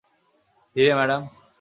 ধীরে, ম্যাডাম।